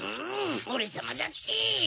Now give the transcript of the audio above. オレさまだって！